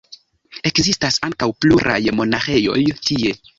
Ekzistas ankaŭ pluraj monaĥejoj tie.